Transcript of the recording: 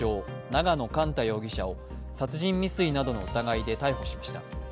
永野莞太容疑者は殺人未遂などの疑いで逮捕しました。